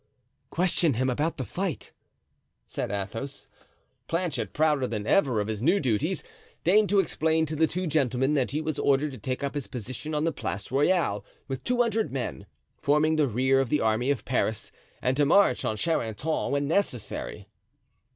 "Question him about the fight," said Athos. Planchet, prouder than ever of his new duties, deigned to explain to the two gentlemen that he was ordered to take up his position on the Place Royale with two hundred men, forming the rear of the army of Paris, and to march on Charenton when necessary.